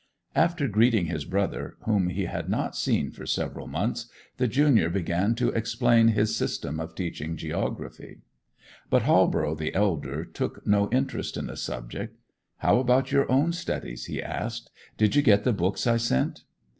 After greeting his brother, whom he had not seen for several months, the junior began to explain his system of teaching geography. But Halborough the elder took no interest in the subject. 'How about your own studies?' he asked. 'Did you get the books I sent?